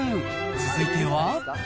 続いては。